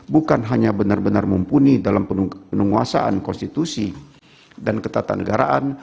bukan hanya benar benar mumpuni dalam penguasaan konstitusi dan ketatanegaraan